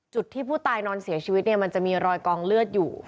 จุดที่ผู้ตายนอนเสียชีวิตเนี่ยมันจะมีรอยกองเลือดอยู่